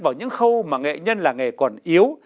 vào những khâu mà nghệ nhân làng nghề còn yếu